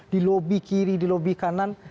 di lobi kiri di lobi kanan